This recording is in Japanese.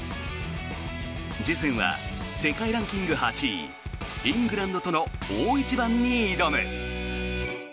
次戦は世界ランキング８位イングランドとの大一番に挑む。